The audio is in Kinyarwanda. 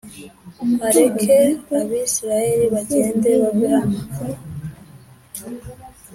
areke Abisirayeli bagende bave hano